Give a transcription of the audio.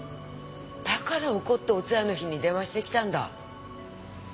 だから怒ってお通夜の日に電話してきたんだ！